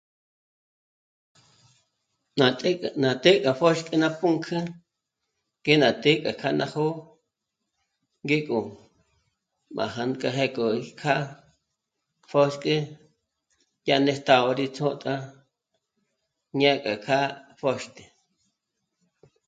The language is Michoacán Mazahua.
Ná të́'ë... ná të́'ë kja pjö́xkü ná pǔnk'ü ngé ná të́'ë gá kja ná jó'o ngék'o b'ajânk'a jék'o 'ìjkjá pjö́xk'e yá nést'ágö rí ts'ót'a ñǎk'a kjâ'a pjö́xt'e